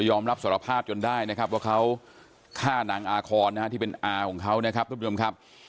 อมรับสารภาพจนได้นะครับว่าเขาฆ่านางอาคอนนะฮะที่เป็นอาของเขานะครับทุกผู้ชมครับ